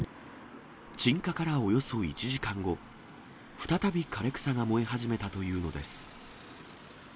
鎮火からおよそ１時間後、再び枯れ草が燃え始めたというのです。